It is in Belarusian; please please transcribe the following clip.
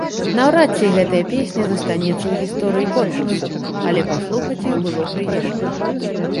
Наўрад ці гэтая песня застанецца ў гісторыі конкурсу, але паслухаць іх было прыемна.